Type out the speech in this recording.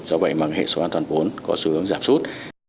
do vậy mà hệ số an toàn vốn có sự giảm sút